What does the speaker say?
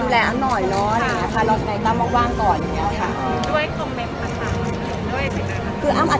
แต่ต้องดูแย่ตัวของแกรมอาร์ด